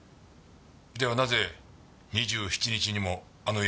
ではなぜ２７日にもあの家に行った？